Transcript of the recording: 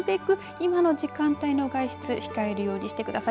今の時間帯の外出控えるようにしてください。